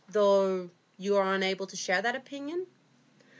"Though you are unable to share that opinion?"